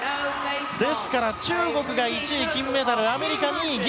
ですから、中国が１位で金メダルアメリカ２位、銀。